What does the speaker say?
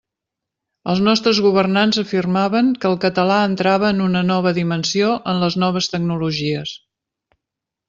Els nostres governants afirmaven que el català entrava en una nova dimensió en les noves tecnologies.